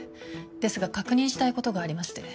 ですが確認したいことがありまして。